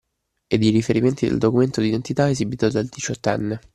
Ed i riferimenti del documento d’identità esibito dal diciottenne.